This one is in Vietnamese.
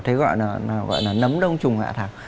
thế nào gọi nó là nấm đông trùng hạ thảo